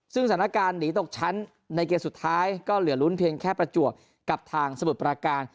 ซึ่งสถานการณ์หนีตกชั้นในเกมสุดท้ายก็เหลือลุ้นเพียงแค่ประจวบกับทางสมุทรประการ